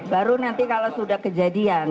baru nanti kalau sudah kejadian